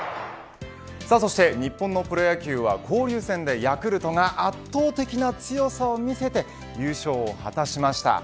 日本のプロ野球は、交流戦でヤクルトが圧倒的な強さを見せて優勝を果たしました。